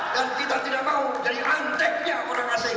dan kita tidak mau jadi anteknya orang asing